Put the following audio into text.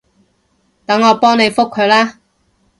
等我幫你覆佢啦